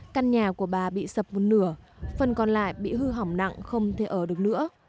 căn nhà của bà bị sập một nửa phần còn lại bị hư hỏng nặng không thể ở được nữa